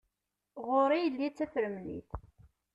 Ɣur-i yelli d tafremlit.